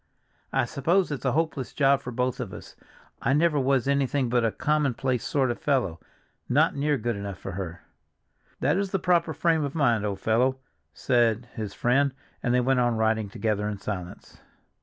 I suppose it's a hopeless job for both of us. I never was anything but a commonplace sort of fellow, not near good enough for her." "That is the proper frame of mind, old fellow," said his friend, and they went on riding together in silence.